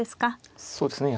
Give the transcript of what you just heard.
そうですね。